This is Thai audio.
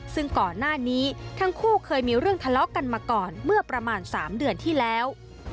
ซึ่งก่อนหน้านี้ทั้งคู่เคยมีเรื่องทะเลาะกันมาก่อนเมื่อประมาณ๓เดือนที่แล้ว